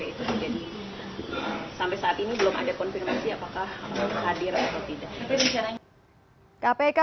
jadi sampai saat ini belum ada konfirmasi apakah hadir atau tidak